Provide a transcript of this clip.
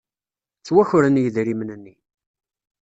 Ttwakren yidrimen-nni.